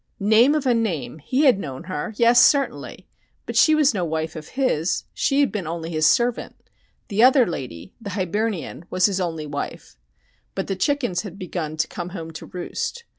"Name of a name! He had known her! Yes certainly! But she was no wife of his she had been only his servant. The other lady the Hibernian was his only wife." But the chickens had begun to come home to roost.